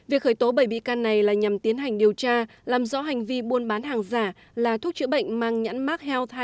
việc khởi tố bảy bị can này là nhằm tiến hành điều tra làm rõ hành vi buôn bán hàng giả là thuốc chữa bệnh mang nhãn mark health hai